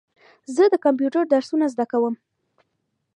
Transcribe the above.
زه د کمپیوټر درسونه زده کوم.